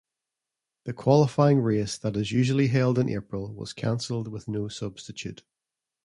The qualifying race that is usually held in April was cancelled with no substitute.